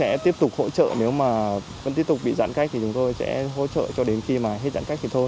sẽ tiếp tục hỗ trợ nếu mà vẫn tiếp tục bị giãn cách thì chúng tôi sẽ hỗ trợ cho đến khi mà hết giãn cách thì thôi